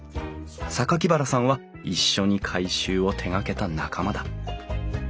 榊原さんは一緒に改修を手がけた仲間だ。